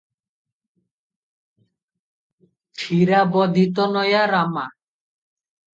"କ୍ଷୀରାବଧିତନୟା ରମା" ।